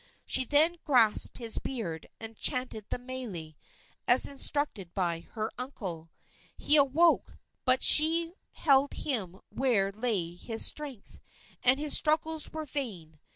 She then grasped his beard and chanted the mele, as instructed by her uncle. He awoke, but she held him where lay his strength, and his struggles were vain.